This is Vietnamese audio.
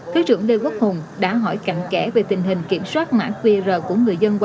thứ trưởng lê quốc hùng đã hỏi cạnh kẽ về tình hình kiểm soát mã qr của người dân